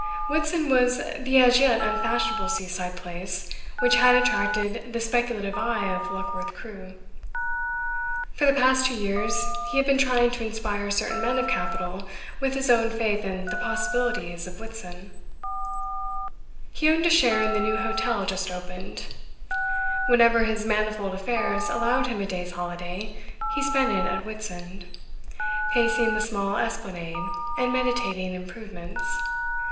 Whitsand was the as yet unfashionable seaside place which had attracted the speculative eye of Luckworth Crewe. For the past two years he had been trying to inspire certain men of capital with his own faith in the possibilities of Whitsand; he owned a share in the new hotel just opened; whenever his manifold affairs allowed him a day's holiday, he spent it at Whitsand, pacing the small esplanade, and meditating improvements.